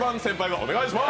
お願いします！